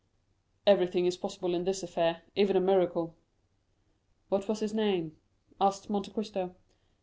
"Everything is possible in this affair, even a miracle." "What was his name?" asked Monte Cristo.